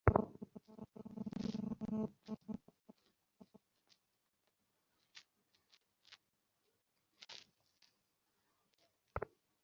আরাফাত সানির bowling action নিয়ে আগে থেকেই সংশয় থাকলেও তাসকিনেরটা ছিল বিস্ময়।